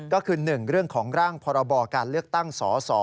ก็คือ๑เรื่องของร่างพรบการเลือกตั้งสส